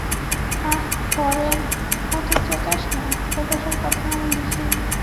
আঃ হরেন, অত চেঁচাস নে, ভালোবাসার কথা আমি লিখি নি।